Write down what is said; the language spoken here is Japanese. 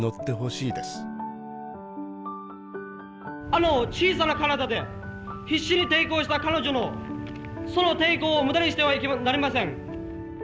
あの小さな体で必死に抵抗した彼女のその抵抗を無駄にしてはなりません。